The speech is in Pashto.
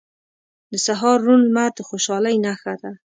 • د سهار روڼ لمر د خوشحالۍ نښه ده.